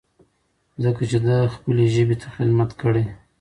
ځکه چې ده خپلې ژبې ته خدمت کړی.